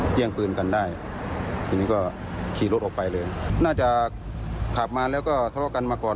ยังปืนกันได้ทีนี้ก็ขี่รถออกไปเลยน่าจะขับมาแล้วก็ทะเลาะกันมาก่อน